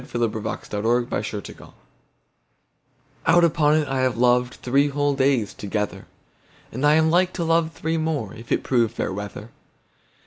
The Constant Lover OUT upon it, I have lovedThree whole days together! And am like to love three more, If it prove fair weather.